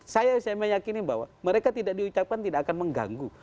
saya meyakini bahwa mereka tidak diucapkan tidak akan mengganggu